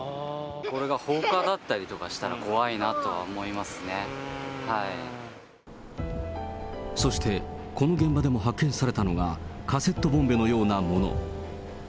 これが放火だったりとかしたら怖そして、この現場でも発見されたのがカセットボンベのようなもの。